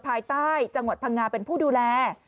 ภายใต้จังหวัดพังงาเป็นผู้ดูแล